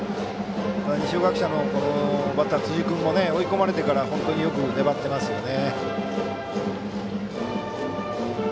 二松学舎もバッターの辻君追い込まれてから本当によく粘っていますね。